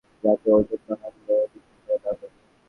এগুলো ওর অরুচি কাটানোর জন্য যাতে ওজন বাড়া নিয়ে ও ডিপ্রেশনে না ভোগে।